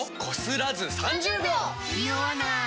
ニオわない！